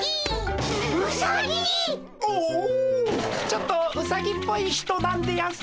ちょっとウサギっぽい人なんでやんす。